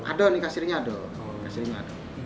ada nikah sirinya ada